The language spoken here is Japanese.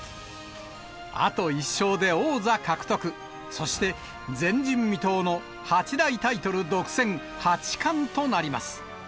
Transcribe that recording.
あと１勝で王座獲得、そして前人未到の八大タイトル独占、八冠となります。